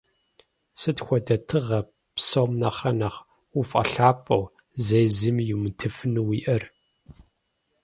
Сыт хуэдэ тыгъэ псом нэхърэ нэхъ уфӏэлъапӏэу, зэи зыми йумытыфыну уиӏэр?